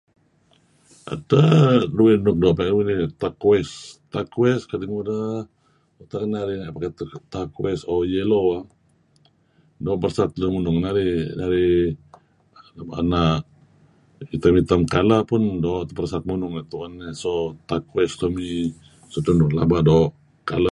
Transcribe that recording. Edteh... duih nuk doo... [unintelligible] turquoise. Turquoise kadi' ngudeh? Tak narih [unintelligible] turquoise ...O yellow. Doo' berersat luun munung narih. Narih... ena'... item-item kala pun doo' beresat munung narih tu'en dih. So turquoise to me is pelaba doo' kala.